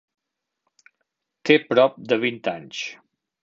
Té prop de vint anys.